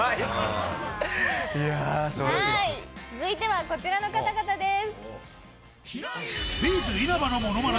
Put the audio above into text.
続いては、こちらの方々です